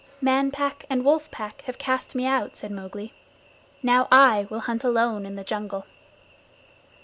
"Man Pack and Wolf Pack have cast me out," said Mowgli. "Now I will hunt alone in the jungle."